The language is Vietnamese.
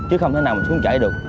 khi xe đang trễ ai rất nguy hiểm